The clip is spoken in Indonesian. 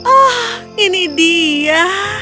oh ini dia